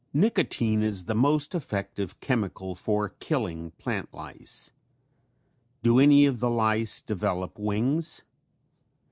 Nicotine is the most effective chemical for killing plant lice. Do any of the lice develop wings?